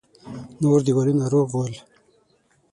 نور دېوالونه روغ ول.